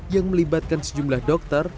yang melibatkan sejumlah dokter